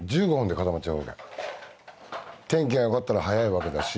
天気がよかったら早いわけだし。